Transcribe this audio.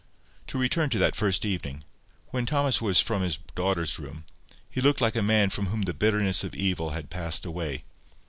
To return to that first evening:—When Thomas came from his daughter's room, he looked like a man from whom the bitterness of evil had passed away.